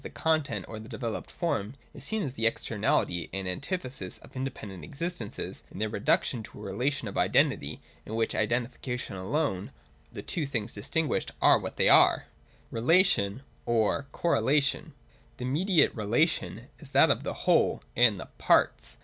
the content or the developed form, is seen as the externality and antithesis of independent existences and as their reduction to a relation of identity, in which identification alone the two things distinguished are what they are. I35 J CORRELATION. 345 [c) Relation or Correlation. 135.] (a) The immediate relation is that of the Whole and the Parts.